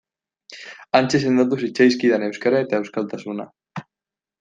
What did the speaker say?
Hantxe sendotu zitzaizkidan euskara eta euskaltasuna.